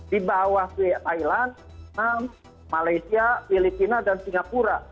di bawah thailand vietnam malaysia filipina dan singapura